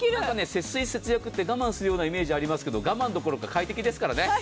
節水・節約って我慢するようなイメージありますが我慢どころか快適ですから。